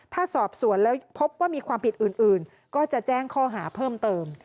ถ้าสอบสวนแล้วพบว่ามีความผิดอื่นก็จะแจ้งข้อหาเพิ่มเติม